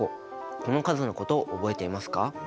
この数のこと覚えていますか？